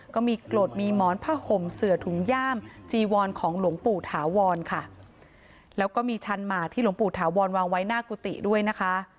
ก็มีกรดมีหมอนผ้าห่มเสือถุงย่ามจีวรของหลวงปู่ถาวรค่ะแล้วก็มีชันหมากที่หลวงปู่ถาวรวางไว้หน้ากุฏิด้วยนะคะ